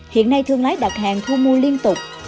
hiện nay thương lái đặt hàng thu mua liên tục